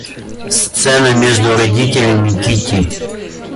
Сцена между родителями Кити.